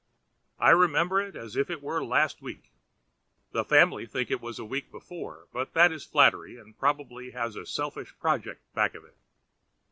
I remember it as if it were last week. The family think it was week before, but that is flattery and probably has a selfish project back of it.